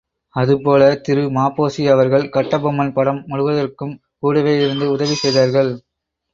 அதுபோல திரு ம.பொ.சி.அவர்கள் கட்டபொம்மன் படம் முழுவதற்கும் கூடவே இருந்து உதவி செய்தார்கள்.